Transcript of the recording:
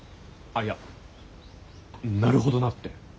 あっいやなるほどなって。